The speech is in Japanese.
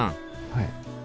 はい。